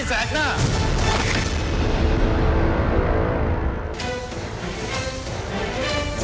ชูวิตตีแสกหน้า